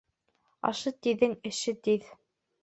Ашы тиҙҙең эше тиҙ.